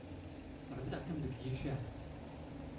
Rniɣ-kem deg yicahen.